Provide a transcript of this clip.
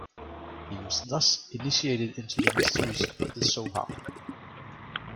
He was thus initiated into the mysteries of the Zohar.